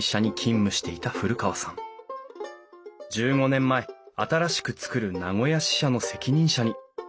１５年前新しく作る名古屋支社の責任者に。